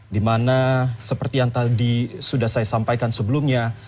di mana seperti yang tadi sudah saya sampaikan sebelumnya